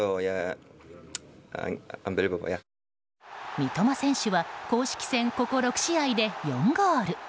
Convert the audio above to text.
三笘選手は公式戦ここ６試合で４ゴール。